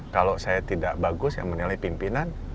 kalau saya tidak bagus yang menilai pimpinan